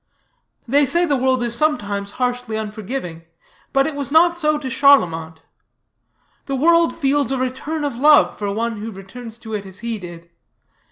"They say the world is sometimes harshly unforgiving, but it was not so to Charlemont. The world feels a return of love for one who returns to it as he did.